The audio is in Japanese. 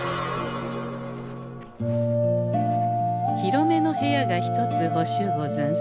広めの部屋が１つほしゅうござんす。